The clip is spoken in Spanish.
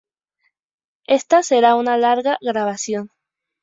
Esta será una larga grabación.